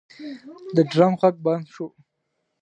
د ډرم غږ بند شو.